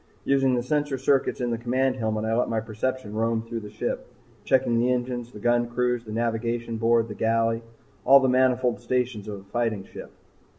Using the sensor circuits in the command helmet, I let my perception roam through the ship, checking the engines, the gun crews, the navigation board, the galley all the manifold stations of a fighting ship.